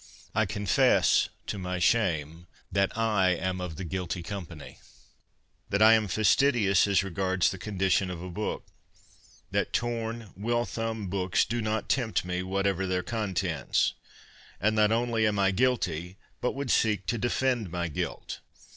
I confess, to my shame, that I am of the guilty company ; that I am fastidious as regards the condition of a book ; that torn, well thumbed books do not tempt me, whatever their contents. And not only am I guilty, but would seek to defend my guilt.